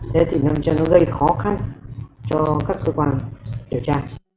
thế thì làm cho nó gây khó khăn cho các cơ quan điều tra